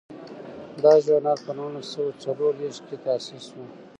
دا ژورنال په نولس سوه څلور دیرش کې تاسیس شو.